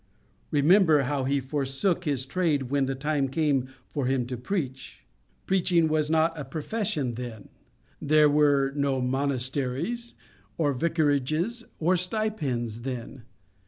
Remember how He forsook His trade when the time came for Him to preach. Preaching was not a profession then. There were no monasteries, or vicarages, or stipends, then.